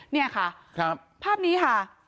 เนี่ยค่ะครับภาพนี้ค่ะ